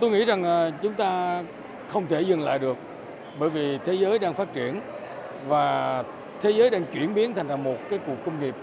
tôi nghĩ rằng chúng ta không thể dừng lại được bởi vì thế giới đang phát triển và thế giới đang chuyển biến thành thành một cuộc công nghiệp